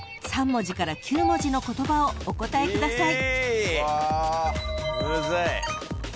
［３文字から９文字の言葉をそれぞれお答えください］